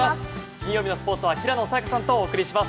金曜日のスポーツは平野早矢香さんとお送りします。